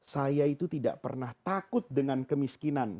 saya itu tidak pernah takut dengan kemiskinan